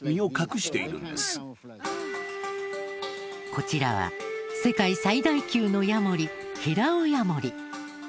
こちらは世界最大級のヤモリヘラオヤモリ。